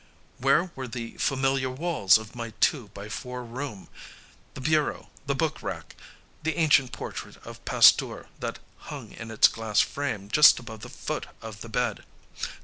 Where were the familiar walls of my two by four room, the bureau, the book rack, the ancient portrait of Pasteur that hung in its glass frame just above the foot of the bed?